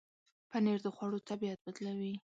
پنېر د خوړو طبعیت بدلوي.